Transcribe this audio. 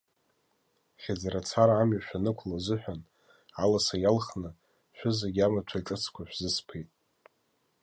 Хьыӡрацара амҩа шәанықәло азыҳәан, аласа иалхны, шәызегьы амаҭәа ҿыцқәа шәзысԥеит.